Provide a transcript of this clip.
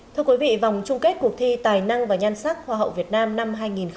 thưa quý vị vòng chung kết cuộc thi tài năng và nhan sắc hòa hậu việt nam năm hai nghìn một mươi sáu